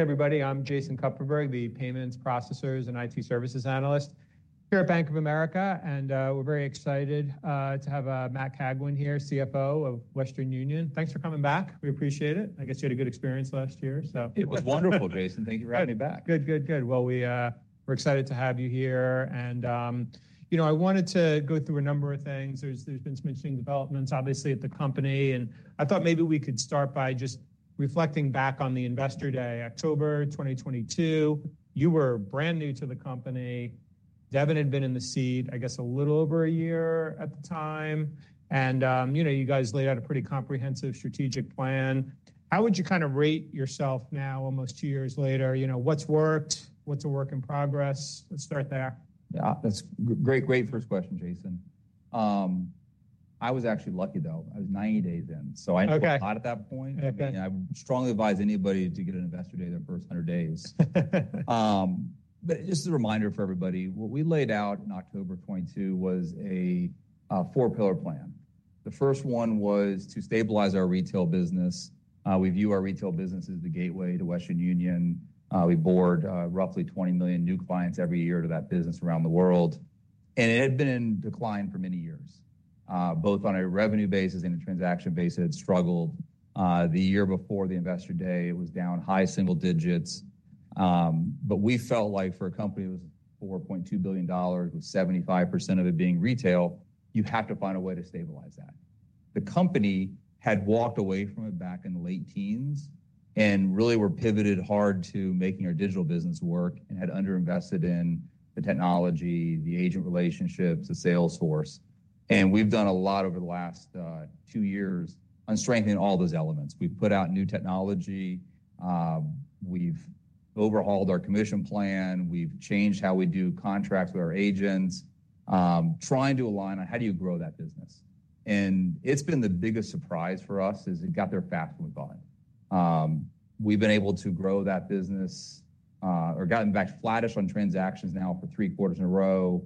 Everybody, I'm Jason Kupferberg, the payments, processors, and IT services analyst here at Bank of America, and we're very excited to have Matt Cagwin here, CFO of Western Union. Thanks for coming back. We appreciate it. I guess you had a good experience last year, so It was wonderful, Jason. Thank you for having me back. Good, good, good. Well, we, we're excited to have you here, and, you know, I wanted to go through a number of things. There's been some interesting developments, obviously, at the company, and I thought maybe we could start by just reflecting back on the Investor Day, October 2022. You were brand new to the company. Devin had been in the seat, I guess, a little over a year at the time, and, you know, you guys laid out a pretty comprehensive strategic plan. How would you kind of rate yourself now, almost two years later? You know, what's worked? What's a work in progress? Let's start there. Yeah, that's great, great first question, Jason. I was actually lucky, though. I was 90 days in, so- Okay... I knew a lot at that point. I strongly advise anybody to get an Investor Day their first 100 days. But just a reminder for everybody, what we laid out in October 2022 was a 4-pillar plan. The first one was to stabilize our retail business. We view our retail business as the gateway to Western Union. We board roughly 20 million new clients every year to that business around the world, and it had been in decline for many years. Both on a revenue basis and a transaction basis, it struggled. The year before the Investor Day, it was down high single digits, but we felt like for a company that was $4.2 billion, with 75% of it being retail, you have to find a way to stabilize that. The company had walked away from it back in the late teens and really were pivoted hard to making our digital business work and had underinvested in the technology, the agent relationships, the sales force. We've done a lot over the last two years on strengthening all those elements. We've put out new technology, we've overhauled our commission plan, we've changed how we do contracts with our agents, trying to align on how do you grow that business. It's been the biggest surprise for us, is it got there faster than we thought. We've been able to grow that business, or gotten back flattish on transactions now for three quarters in a row.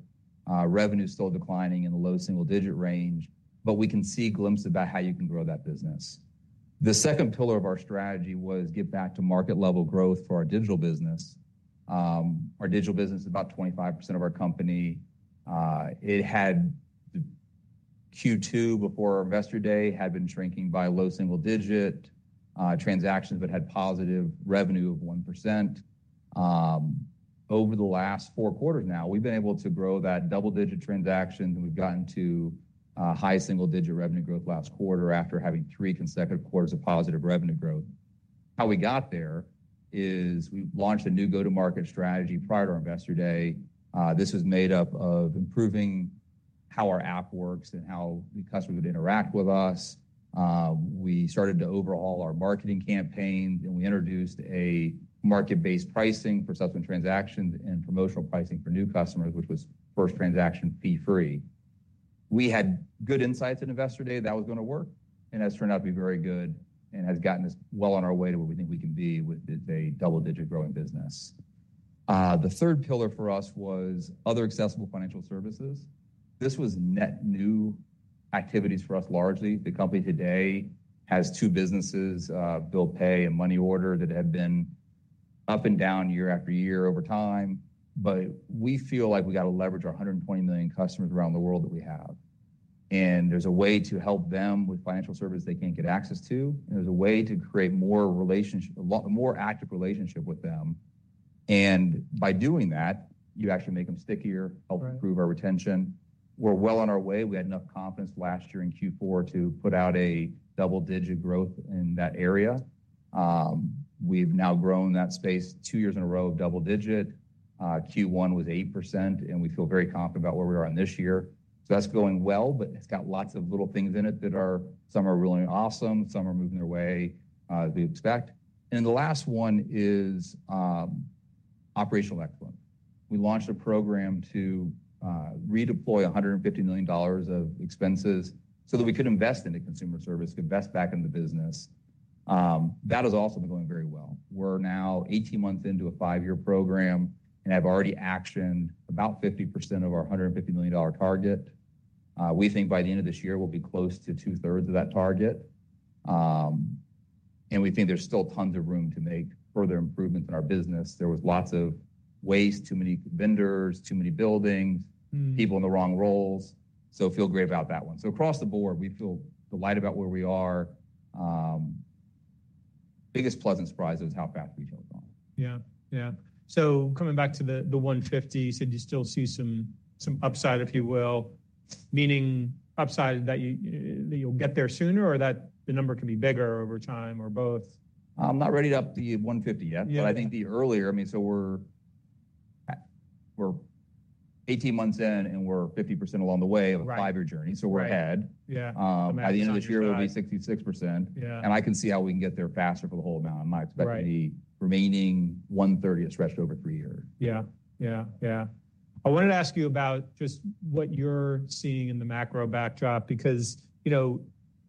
Revenue is still declining in the low single-digit range, but we can see a glimpse about how you can grow that business. The second pillar of our strategy was get back to market-level growth for our digital business. Our digital business is about 25% of our company. It had Q2, before our Investor Day, had been shrinking by low single-digit transactions, but had positive revenue of 1%. Over the last four quarters now, we've been able to grow that double-digit transaction, and we've gotten to high single-digit revenue growth last quarter after having three consecutive quarters of positive revenue growth. How we got there is we launched a new go-to-market strategy prior to our Investor Day. This was made up of improving how our app works and how the customer would interact with us. We started to overhaul our marketing campaign, and we introduced a market-based pricing for subsequent transactions and promotional pricing for new customers, which was first transaction fee-free. We had good insights at Investor Day that was going to work, and has turned out to be very good, and has gotten us well on our way to where we think we can be with a double-digit growing business. The third pillar for us was other accessible financial services. This was net new activities for us, largely. The company today has two businesses, bill pay and money order, that have been up and down year after year over time. But we feel like we got to leverage our 120 million customers around the world that we have. And there's a way to help them with financial services they can't get access to, and there's a way to create more relationship, a lot more active relationship with them. And by doing that, you actually make them stickier- Right.... help improve our retention. We're well on our way. We had enough confidence last year in Q4 to put out a double-digit growth in that area. We've now grown that space two years in a row of double-digit. Q1 was 8%, and we feel very confident about where we are on this year. So that's going well, but it's got lots of little things in it that are, some are really awesome, some are moving their way, we expect. And the last one is operational excellence. We launched a program to redeploy $150 million of expenses so that we could invest in the consumer service, invest back in the business. That is also been going very well. We're now 18 months into a 5-year program and have already actioned about 50% of our $150 million target. We think by the end of this year, we'll be close to two-thirds of that target. And we think there's still tons of room to make further improvements in our business. There was lots of waste, too many vendors, too many buildings-... people in the wrong roles. So feel great about that one. So across the board, we feel delighted about where we are. Biggest pleasant surprise is how fast we've gone. Yeah, yeah. So coming back to the, the 150, so do you still see some, some upside, if you will? Meaning upside, that you, you'll get there sooner, or that the number can be bigger over time, or both? I'm not ready to up the $150 yet-... but I think the earlier—I mean, so we're at, we're 18 months in, and we're 50% along the way-... of a five-year journey, so we're ahead. Yeah. I can see how we can get there faster for the whole amount. Right. I might expect the remaining $130 to stretch over three years. Yeah, yeah, yeah. I wanted to ask you about just what you're seeing in the macro backdrop, because, you know,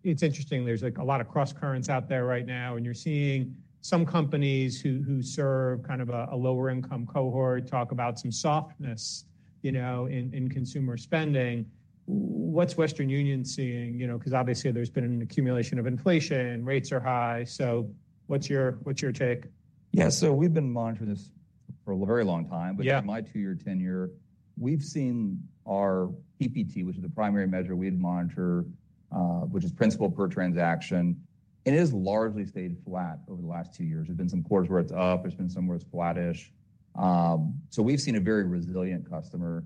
it's interesting, there's, like, a lot of crosscurrents out there right now, and you're seeing some companies who serve kind of a lower-income cohort talk about some softness, you know, in consumer spending. What's Western Union seeing? You know, because obviously there's been an accumulation of inflation, rates are high. So what's your take? Yeah, so we've been monitoring this for a very long time. But in my two-year tenure, we've seen our PPT, which is the primary measure we'd monitor, which is principal per transaction, it has largely stayed flat over the last two years. There's been some quarters where it's up, there's been some where it's flattish. So we've seen a very resilient customer.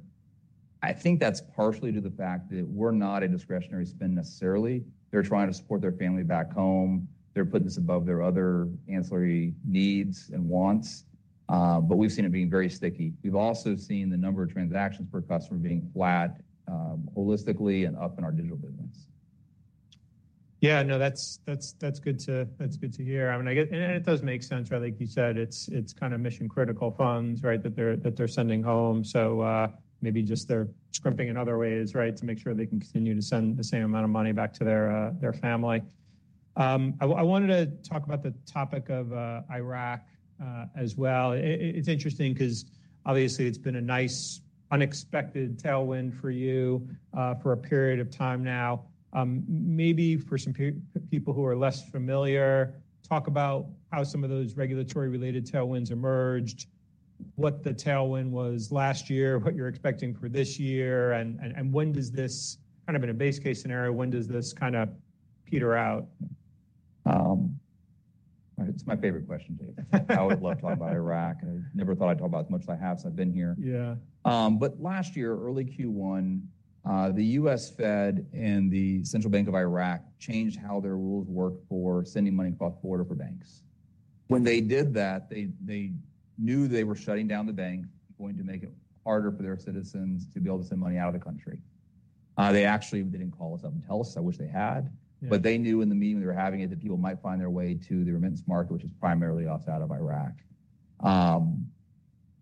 I think that's partially to the fact that we're not a discretionary spend necessarily. They're trying to support their family back home. They're putting this above their other ancillary needs and wants, but we've seen it being very sticky. We've also seen the number of transactions per customer being flat, holistically and up in our digital business. Yeah, no, that's good to hear. I mean, I get it and it does make sense, right? Like you said, it's kind of mission-critical funds, right, that they're sending home. So, maybe just they're scrimping in other ways, right? To make sure they can continue to send the same amount of money back to their family. I wanted to talk about the topic of Iraq as well. It's interesting because obviously it's been a nice, unexpected tailwind for you for a period of time now. Maybe for some people who are less familiar, talk about how some of those regulatory-related tailwinds emerged, what the tailwind was last year, what you're expecting for this year, and when does this, kind of in a base case scenario, when does this kind of peter out? It's my favorite question, David. I would love to talk about Iraq. I never thought I'd talk about it as much as I have since I've been here. But last year, early Q1, the US Fed and the Central Bank of Iraq changed how their rules work for sending money across the border for banks. When they did that, they, they knew they were shutting down the banks, going to make it harder for their citizens to be able to send money out of the country. They actually, they didn't call us up and tell us. I wish they had. Yeah. But they knew in the meeting they were having, that people might find their way to the remittance market, which is primarily us out of Iraq.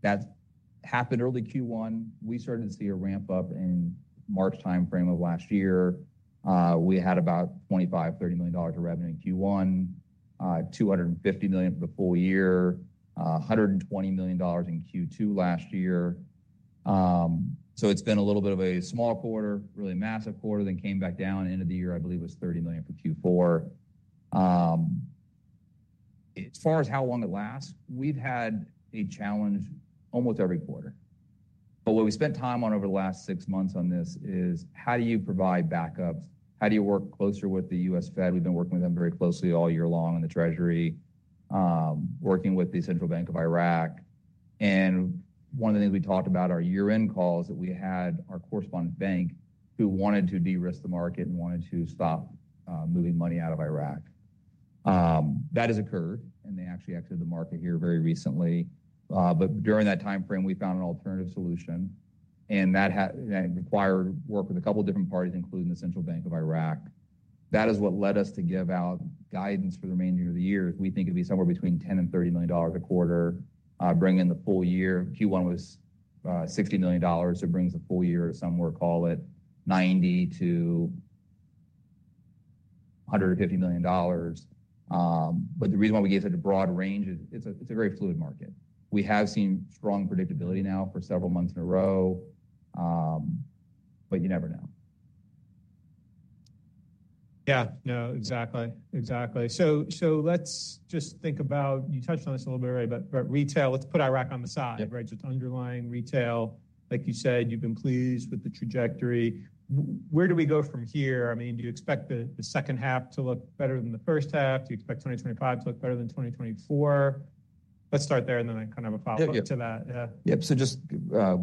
That happened early Q1. We started to see a ramp-up in March timeframe of last year. We had about $25-$30 million of revenue in Q1, $250 million for the full year, $120 million in Q2 last year. So it's been a little bit of a small quarter, really massive quarter, then came back down. End of the year, I believe, was $30 million for Q4. As far as how long it lasts, we've had a challenge almost every quarter. But what we spent time on over the last six months on this is: how do you provide backups? How do you work closer with the US Fed? We've been working with them very closely all year long, and the Treasury, working with the Central Bank of Iraq. And one of the things we talked about our year-end calls, that we had our correspondent bank who wanted to de-risk the market and wanted to stop, moving money out of Iraq. That has occurred, and they actually exited the market here very recently. But during that timeframe, we found an alternative solution, and that required work with a couple of different parties, including the Central Bank of Iraq. That is what led us to give out guidance for the remainder of the year. We think it'll be somewhere between $10 million and $30 million a quarter, bring in the full year. Q1 was $60 million, so it brings the full year to somewhere, call it, $90-$150 million. But the reason why we gave such a broad range is, it's a, it's a very fluid market. We have seen strong predictability now for several months in a row, but you never know. Yeah. No, exactly. Exactly. So, so let's just think about... You touched on this a little bit already, about, about retail. Let's put Iraq on the side. Right? Just underlying retail. Like you said, you've been pleased with the trajectory. Where do we go from here? I mean, do you expect the second half to look better than the first half? Do you expect 2025 to look better than 2024? Let's start there, and then I kind of have a follow-up to that. Yep. So just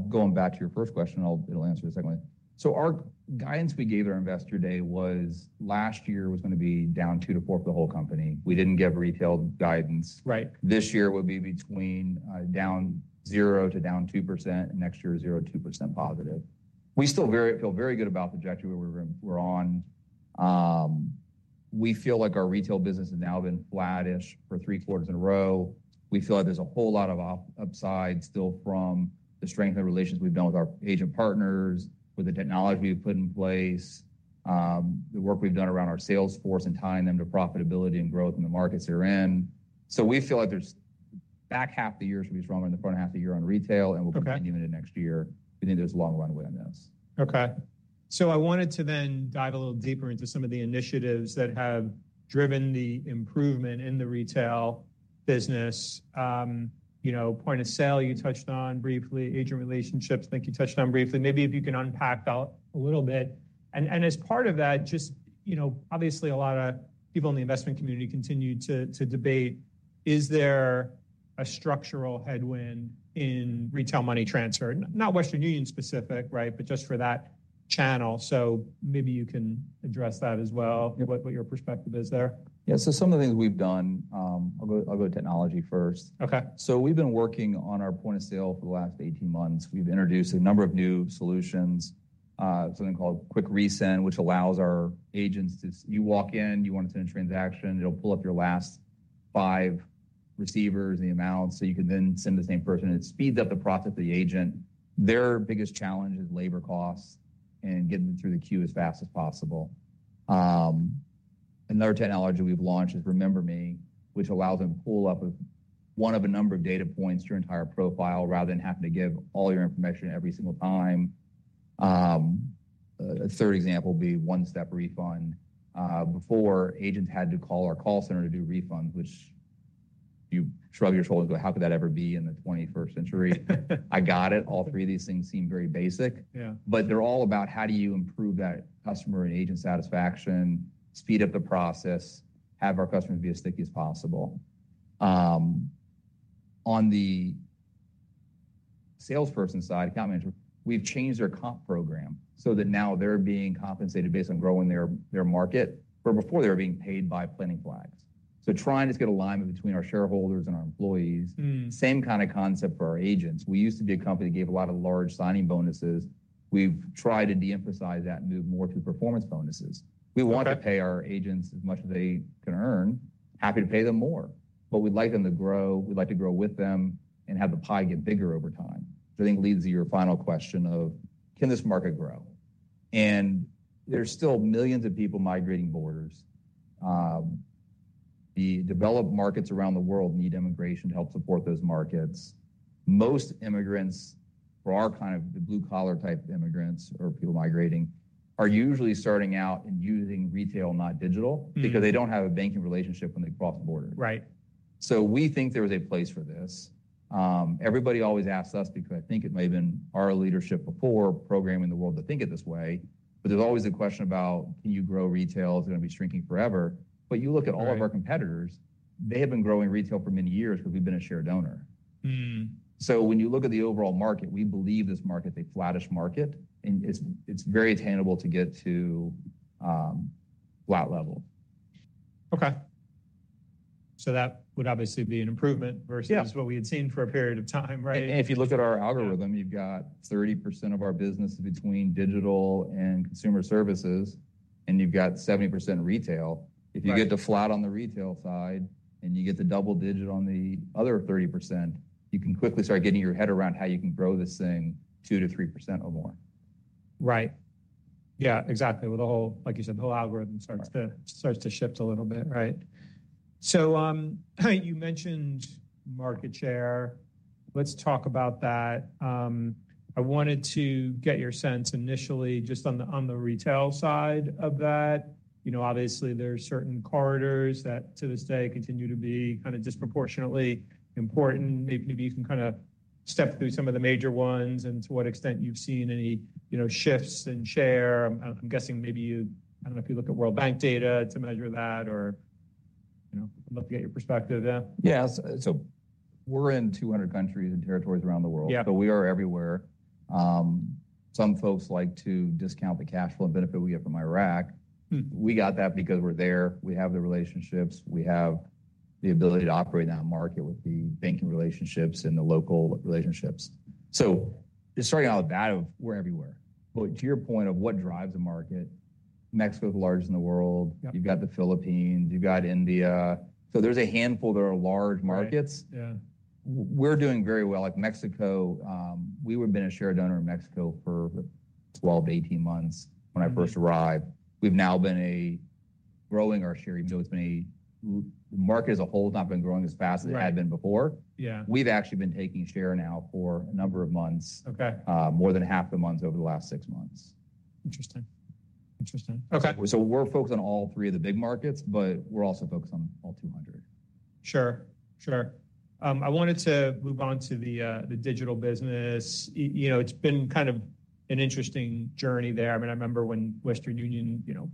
going back to your first question, I'll it'll answer the second one. So our guidance we gave at our Investor Day was last year was gonna be down 2-4 for the whole company. We didn't give retail guidance. Right. This year will be between down 0%-2%, and next year, 0%-2% positive. We still feel very good about the trajectory we're on. We feel like our retail business has now been flattish for three quarters in a row. We feel like there's a whole lot of upside still from the strength of the relations we've built with our agent partners, with the technology we've put in place, the work we've done around our sales force and tying them to profitability and growth in the markets they're in. So we feel like the back half of the year should be stronger than the front half of the year on retail- Okay. And we'll continue into next year. We think there's a long runway on this. Okay. So I wanted to then dive a little deeper into some of the initiatives that have driven the improvement in the retail business. You know, point of sale, you touched on briefly. Agent relationships, I think you touched on briefly. Maybe if you can unpack that a little bit. And, and as part of that, just, you know, obviously, a lot of people in the investment community continue to, to debate: Is there a structural headwind in retail money transfer? Not Western Union specific, right, but just for that channel. So maybe you can address that as well-... what your perspective is there? Yeah. So some of the things we've done, I'll go, I'll go technology first. Okay. So we've been working on our point of sale for the last 18 months. We've introduced a number of new solutions, something called Quick Resend, which allows our agents to... You walk in, you want to send a transaction, it'll pull up your last 5 receivers, the amounts, so you can then send the same person. It speeds up the process of the agent. Their biggest challenge is labor costs and getting them through the queue as fast as possible. Another technology we've launched is Remember Me, which allows them to pull up one of a number of data points to your entire profile, rather than having to give all your information every single time. A third example would be One-Step Refund. Before agents had to call our call center to do refunds, which you shrug your shoulders and go: "How could that ever be in the twenty-first century?" I got it. All three of these things seem very basic. Yeah. But they're all about how do you improve that customer and agent satisfaction, speed up the process, have our customers be as sticky as possible. On the salesperson side, account manager, we've changed their comp program so that now they're being compensated based on growing their market, where before they were being paid by planting flags. So trying to get alignment between our shareholders and our employees. Same kind of concept for our agents. We used to be a company that gave a lot of large signing bonuses. We've tried to de-emphasize that and move more to performance bonuses. We want to pay our agents as much as they can earn, happy to pay them more, but we'd like them to grow. We'd like to grow with them and have the pie get bigger over time, which I think leads to your final question of: Can this market grow? And there's still millions of people migrating borders. The developed markets around the world need immigration to help support those markets. Most immigrants or are kind of the blue-collar-type immigrants or people migrating, are usually starting out and using retail, not digital-... because they don't have a banking relationship when they cross the border. Right. So we think there is a place for this. Everybody always asks us, because I think it may have been our leadership before programming the world to think it this way, but there's always a question about, can you grow retail? Is it going to be shrinking forever? You look at all of our competitors. They have been growing retail for many years because we've been a share donor. So when you look at the overall market, we believe this market is a flattish market, and it's, it's very attainable to get to flat level. Okay. So that would obviously be an improvement versus what we had seen for a period of time, right? If you look at our algorithm, you've got 30% of our business between digital and consumer services, and you've got 70% retail. Right. If you get the flat on the retail side and you get the double-digit on the other 30%, you can quickly start getting your head around how you can grow this thing 2%-3% or more. Right. Yeah, exactly. With the whole... Like you said, the whole algorithm starts to starts to shift a little bit. Right. So, you mentioned market share. Let's talk about that. I wanted to get your sense initially just on the retail side of that. You know, obviously, there are certain corridors that, to this day, continue to be kinda disproportionately important. Maybe, maybe you can kinda step through some of the major ones and to what extent you've seen any, you know, shifts in share. I'm, I'm guessing maybe you... I don't know if you look at World Bank data to measure that or, you know, I'd love to get your perspective there. Yeah. So, we're in 200 countries and territories around the world. So we are everywhere. Some folks like to discount the cash flow benefit we get from Iraq. We got that because we're there, we have the relationships, we have the ability to operate in that market with the banking relationships and the local relationships. So just starting out with that, we're everywhere. But to your point of what drives a market, Mexico is the largest in the world. You've got the Philippines, you've got India. There's a handful that are large markets. Right. Yeah. We're doing very well. Like Mexico, we have been a share donor in Mexico for 12-18 months when I first arrived. We've now been growing our share, even though the market as a whole has not been growing as fast as it had been before. Right. Yeah. We've actually been taking share now for a number of months. Okay. More than half the months over the last six months. Interesting. Interesting. Okay. We're focused on all 3 of the big markets, but we're also focused on all 200. Sure, sure. I wanted to move on to the digital business. It, you know, it's been kind of an interesting journey there. I mean, I remember when Western Union, you know,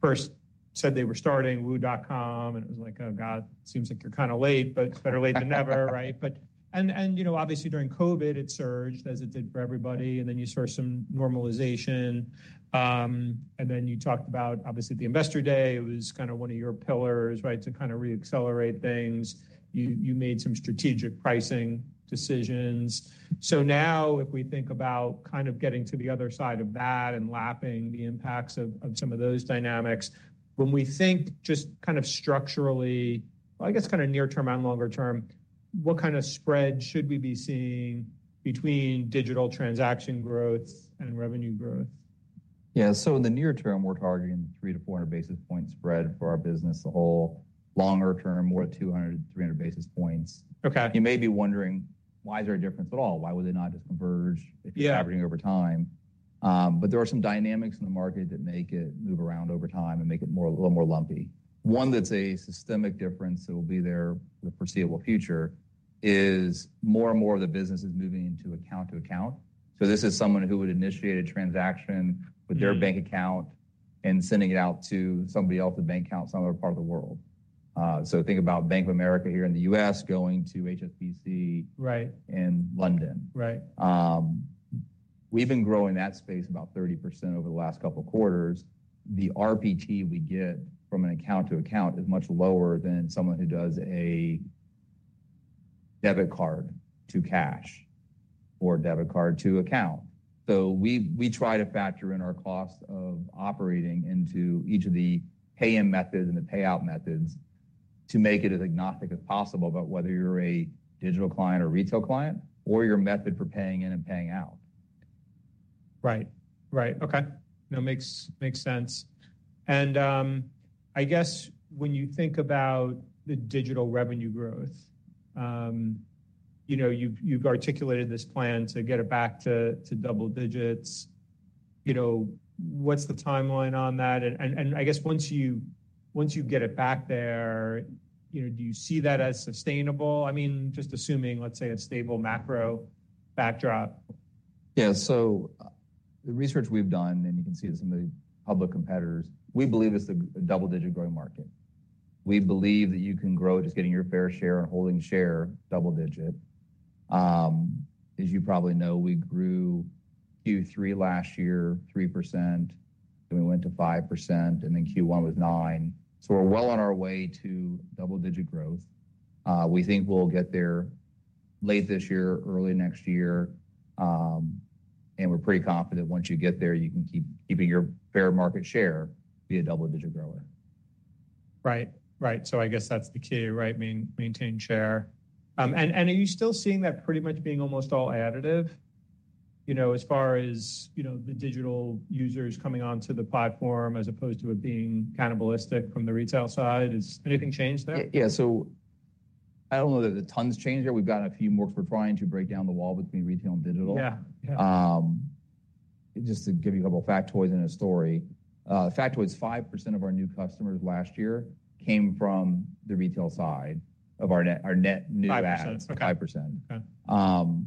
first said they were starting wu.com, and it was like, Oh, God, seems like you're kinda late, but better late than never, right? But... And, and, you know, obviously during COVID, it surged, as it did for everybody, and then you saw some normalization. And then you talked about, obviously, the Investor Day. It was kind of one of your pillars, right? To kind of reaccelerate things. You, you made some strategic pricing decisions. So now, if we think about kind of getting to the other side of that and lapping the impacts of some of those dynamics, when we think just kind of structurally, well, I guess kind of near term and longer term, what kind of spread should we be seeing between digital transaction growth and revenue growth? Yeah. So in the near term, we're targeting 300-400 basis points spread for our business the whole. Longer term, we're at 200-300 basis points. You may be wondering: Why is there a difference at all? Why would they not just converge-... if you're averaging over time? But there are some dynamics in the market that make it move around over time and make it more, a little more lumpy. One that's a systemic difference that will be there for the foreseeable future is more and more of the business is moving into account to account. So this is someone who would initiate a transaction-... with their bank account and sending it out to somebody else with a bank account in some other part of the world. So think about Bank of America here in the U.S., going to HSBC- Right... in London.We've been growing that space about 30% over the last couple of quarters. The RPT we get from an account to account is much lower than someone who does a debit card to cash or debit card to account. So we try to factor in our cost of operating into each of the pay-in methods and the payout methods to make it as agnostic as possible about whether you're a digital client or retail client, or your method for paying in and paying out. Right. Right. Okay. No, makes sense. And, I guess when you think about the digital revenue growth, you know, you've articulated this plan to get it back to double digits. You know, what's the timeline on that? And, I guess once you get it back there, you know, do you see that as sustainable? I mean, just assuming, let's say, a stable macro backdrop. Yeah. So the research we've done, and you can see this in the public competitors, we believe it's a double-digit growing market. We believe that you can grow just getting your fair share and holding share double digit. As you probably know, we grew Q3 last year, 3%, then we went to 5%, and then Q1 was 9%. So we're well on our way to double-digit growth. We think we'll get there late this year, early next year, and we're pretty confident once you get there, you can keep keeping your fair market share, be a double-digit grower. Right. Right. So I guess that's the key, right? Maintain share. And are you still seeing that pretty much being almost all additive, you know, as far as, you know, the digital users coming onto the platform as opposed to it being cannibalistic from the retail side? Has anything changed there? Yeah, yeah. So I don't know that a ton's changed there. We've got a few more. We're trying to break down the wall between retail and digital. Just to give you a couple of factoids in a story. Factoid is 5% of our new customers last year came from the retail side of our net, our net new adds. Five percent. Five percent. Okay.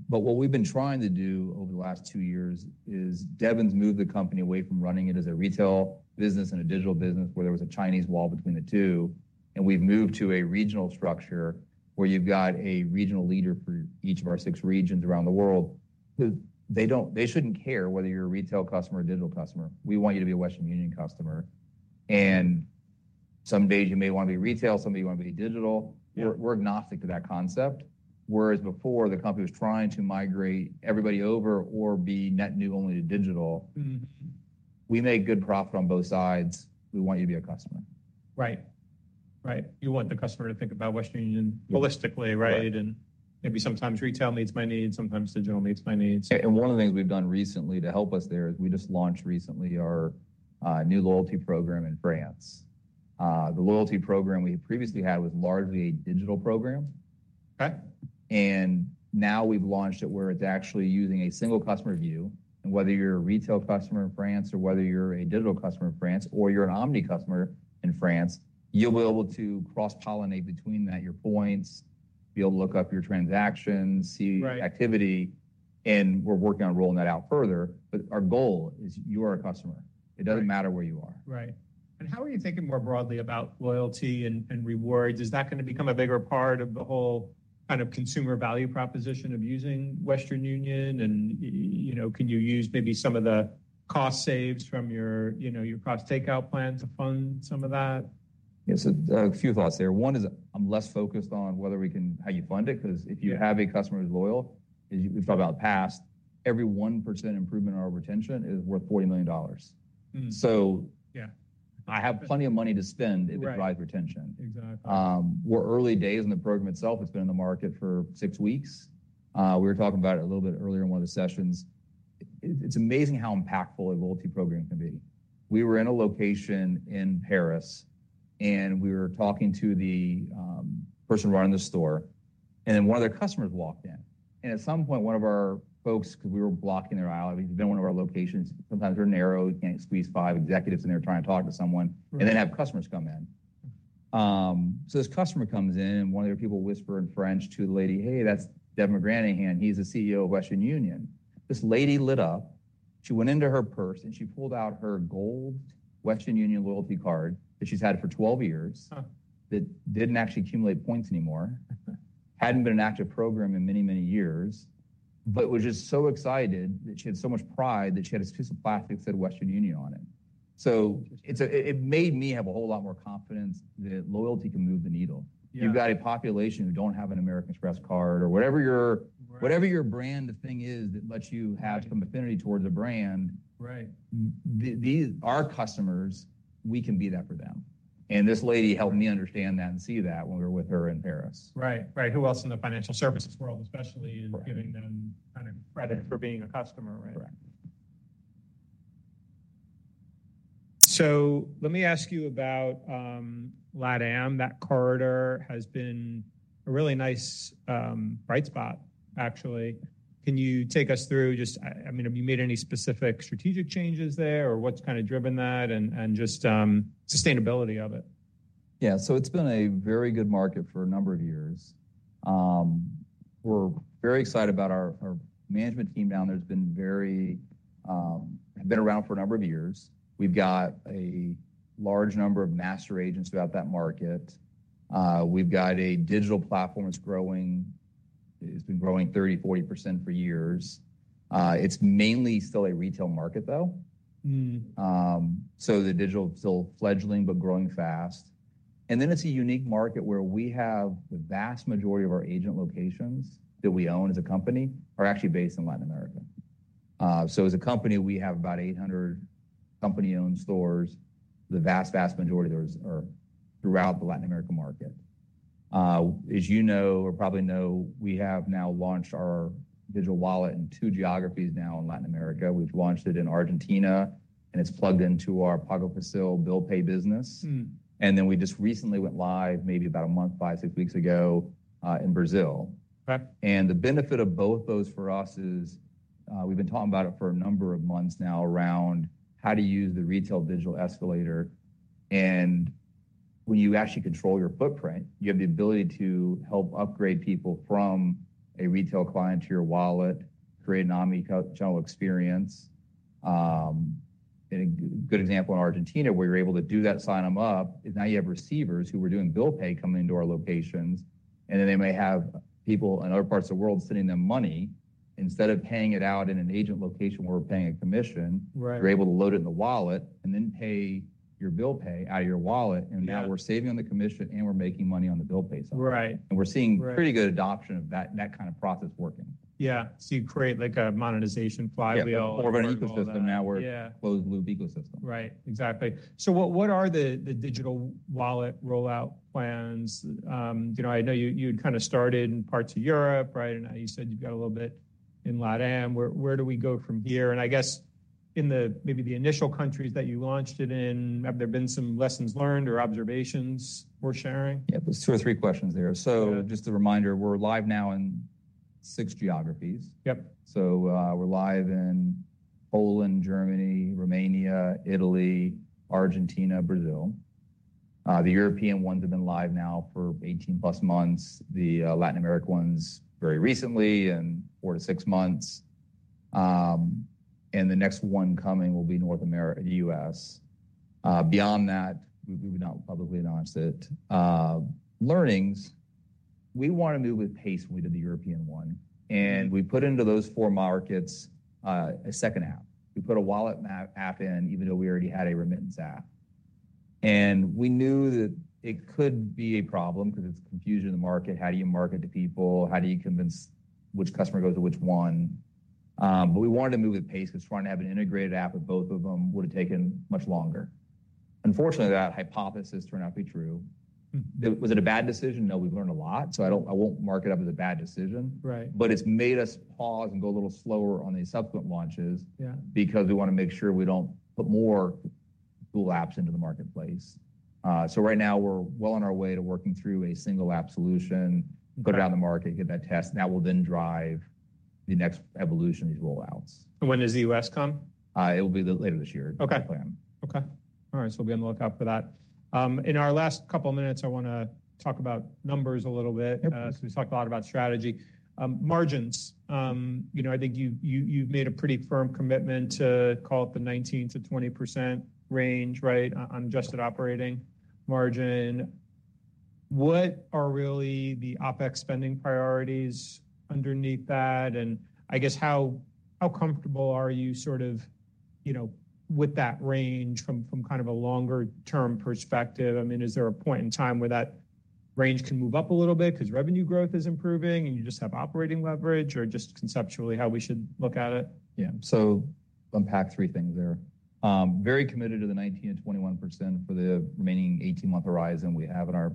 But what we've been trying to do over the last two years is Devin's moved the company away from running it as a retail business and a digital business, where there was a Chinese wall between the two, and we've moved to a regional structure where you've got a regional leader for each of our six regions around the world, who they shouldn't care whether you're a retail customer or digital customer. We want you to be a Western Union customer, and some days you may want to be retail, some days you want to be digital. We're agnostic to that concept, whereas before, the company was trying to migrate everybody over or be net new only to digital. We make good profit on both sides. We want you to be a customer. Right. Right. You want the customer to think about Western Union holistically, right? Maybe sometimes retail meets my needs, sometimes digital meets my needs. And one of the things we've done recently to help us there is we just launched recently our new loyalty program in France. The loyalty program we previously had was largely a digital program Now we've launched it where it's actually using a single customer view, and whether you're a retail customer in France or whether you're a digital customer in France or you're an omni customer in France, you'll be able to cross-pollinate between that, your points, be able to look up your transactions, see- Right... activity, and we're working on rolling that out further, but our goal is you are a customer.It doesn't matter where you are. Right. And how are you thinking more broadly about loyalty and rewards? Is that going to become a bigger part of the whole kind of consumer value proposition of using Western Union? And, you know, can you use maybe some of the cost saves from your, you know, your cost takeout plan to fund some of that? Yes, a few thoughts there. One is I'm less focused on whether we can--how you fund it, 'cause-... if you have a customer who's loyal, as we've talked about in the past, every 1% improvement in our retention is worth $40 million. So, I have plenty of money to spend- Right... if it drives retention. Exactly. We're early days in the program itself. It's been in the market for 6 weeks. We were talking about it a little bit earlier in one of the sessions. It's amazing how impactful a loyalty program can be. We were in a location in Paris, and we were talking to the person running the store, and then one of their customers walked in, and at some point, one of our folks, because we were blocking their aisle, I mean, been one of our locations, sometimes they're narrow. You can't squeeze 5 executives in there trying to talk to someone-... and then have customers come in. So this customer comes in, and one of their people whisper in French to the lady, "Hey, that's Devin McGranahan. He's the CEO of Western Union." This lady lit up. She went into her purse, and she pulled out her gold Western Union loyalty card that she's had for 12 years that didn't actually accumulate points anymore, hadn't been an active program in many, many years, but was just so excited that she had so much pride, that she had this piece of plastic that said Western Union on it. So it made me have a whole lot more confidence that loyalty can move the needle. You've got a population who don't have an American Express card or whatever your whatever your brand thing is that lets you have Right... some affinity towards a brand. These, our customers, we can be that for them. And this lady helped me understand that and see that when we were with her in Paris. Right. Right. Who else in the financial services world, especially giving them kind of credit for being a customer, right? Right. So let me ask you about LatAm. That corridor has been a really nice bright spot, actually. Can you take us through just... I mean, have you made any specific strategic changes there, or what's kind of driven that and just sustainability of it? Yeah. So it's been a very good market for a number of years. We're very excited about our, our management team down there has been very, have been around for a number of years. We've got a large number of master agents throughout that market. We've got a digital platform that's growing. It's been growing 30%-40% for years. It's mainly still a retail market, though. So the digital is still fledgling but growing fast. And then it's a unique market where we have the vast majority of our agent locations that we own as a company, are actually based in Latin America. So as a company, we have about 800 company-owned stores. The vast, vast majority of those are throughout the Latin American market.... As you know, or probably know, we have now launched our digital wallet in two geographies now in Latin America. We've launched it in Argentina, and it's plugged into our Pago Fácil bill pay business. And then we just recently went live, maybe about a month, 5-6 weeks ago, in Brazil. Right. And the benefit of both those for us is, we've been talking about it for a number of months now around how to use the Retail Digital Escalator. And when you actually control your footprint, you have the ability to help upgrade people from a retail client to your wallet, create an omni-channel experience. And a good example in Argentina, where we were able to do that, sign them up, now you have receivers who were doing bill pay coming into our locations, and then they may have people in other parts of the world sending them money. Instead of paying it out in an agent location where we're paying a commission- Right... we're able to load it in the wallet and then pay your bill pay out of your wallet. Now we're saving on the commission, and we're making money on the bill pays. And we're seeing pretty good adoption of that, that kind of process working. Yeah. So you create, like, a monetization flywheel- Yeah, more of an ecosystem now- Yeah... where closed-loop ecosystem. Right. Exactly. So what are the digital wallet rollout plans? You know, I know you had kind of started in parts of Europe, right? And now you said you've got a little bit in LATAM. Where do we go from here? And I guess in maybe the initial countries that you launched it in, have there been some lessons learned or observations worth sharing? Yeah, there's two or three questions there. Just a reminder, we're live now in six geographies. So, we're live in Poland, Germany, Romania, Italy, Argentina, Brazil. The European ones have been live now for 18+ months, the Latin American ones very recently in 4-6 months. And the next one coming will be North America, U.S. Beyond that, we would not publicly announce it. Learnings, we want to move with pace we did the European one, and we put into those 4 markets a second app. We put a wallet app in even though we already had a remittance app. And we knew that it could be a problem because it's confusion in the market. How do you market to people? How do you convince which customer goes to which one? But we wanted to move with pace, because trying to have an integrated app of both of them would have taken much longer. Unfortunately, that hypothesis turned out to be true. Was it a bad decision? No, we've learned a lot, so I don't- I won't mark it up as a bad decision. Right. But it's made us pause and go a little slower on the subsequent launches-... because we want to make sure we don't put more apps into the marketplace. So right now, we're well on our way to working through a single app solution. Go down the market, get that test, and that will then drive the next evolution of these rollouts. When does the U.S. come? It will be later this year. The plan. Okay. All right, so we'll be on the lookout for that. In our last couple of minutes, I want to talk about numbers a little bit. So we've talked a lot about strategy. Margins, you know, I think you've made a pretty firm commitment to call it the 19%-20% range, right, on adjusted operating margin. What are really the OpEx spending priorities underneath that? And I guess how comfortable are you sort of, you know, with that range from kind of a longer-term perspective? I mean, is there a point in time where that range can move up a little bit because revenue growth is improving, and you just have operating leverage, or just conceptually, how we should look at it? Yeah. So unpack three things there. Very committed to the 19%-21% for the remaining 18-month horizon we have in our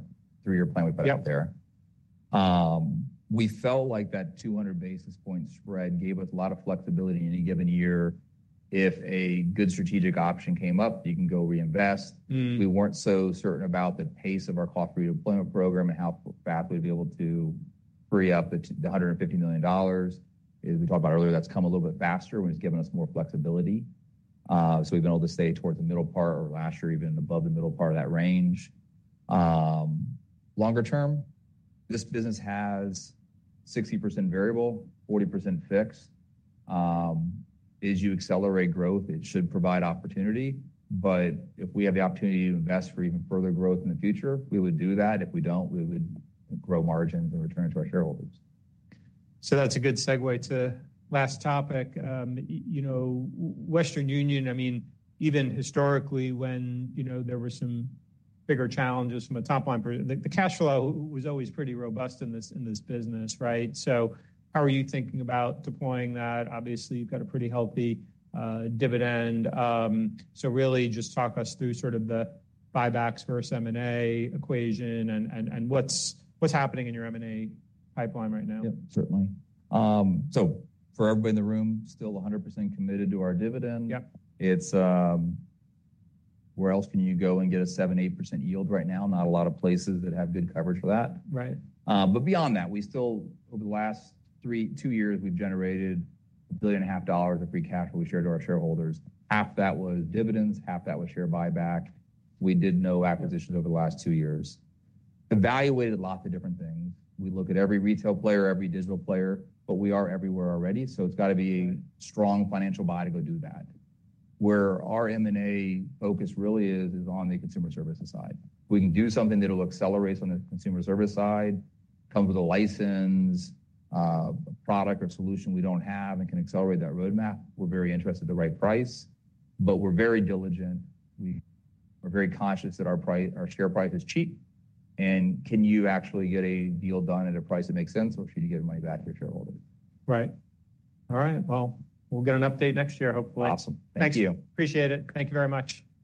3-year plan-... we put out there. We felt like that 200 basis point spread gave us a lot of flexibility in any given year. If a good strategic option came up, you can go reinvest. We weren't so certain about the pace of our cost deployment program and how fast we'd be able to free up the $250 million. As we talked about earlier, that's come a little bit faster, and it's given us more flexibility. So we've been able to stay towards the middle part or last year, even above the middle part of that range. Longer term, this business has 60% variable, 40% fixed. As you accelerate growth, it should provide opportunity, but if we have the opportunity to invest for even further growth in the future, we would do that. If we don't, we would grow margins and return to our shareholders. So that's a good segue to last topic. You know, Western Union, I mean, even historically, when, you know, there were some bigger challenges from a top-line per... The cash flow was always pretty robust in this business, right? So how are you thinking about deploying that? Obviously, you've got a pretty healthy dividend. So really just talk us through sort of the buybacks versus M&A equation and what's happening in your M&A pipeline right now? Yep, certainly. For everybody in the room, still 100% committed to our dividend. Where else can you go and get a 7%-8% yield right now? Not a lot of places that have good coverage for that. Right. But beyond that, we still, over the last two years, we've generated $1.5 billion of free cash flow we shared to our shareholders. Half that was dividends, half that was share buyback. We did no acquisitions over the last two years. Evaluated lots of different things. We look at every retail player, every digital player, but we are everywhere already, so it's got to be-... a strong financial buy to go do that. Where our M&A focus really is, is on the consumer services side. We can do something that'll accelerate on the consumer service side, come with a license, product or solution we don't have, and can accelerate that roadmap. We're very interested at the right price, but we're very diligent. We are very conscious that our price, our share price is cheap, and can you actually get a deal done at a price that makes sense, or should you give the money back to your shareholders? Right. All right. Well, we'll get an update next year, hopefully. Awesome. Thank you. Appreciate it. Thank you very much.